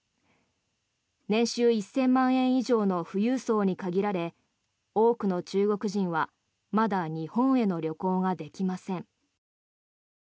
年収１０００万円以上の富裕層に限られ多くの中国人はまだ日本への旅行ができません。